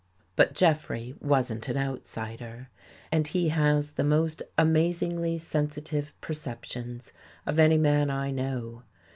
But Jeffrey wasn't an outsider. And he has the I THE GHOST GIRL most amazingly sensitive perceptions of any man I know.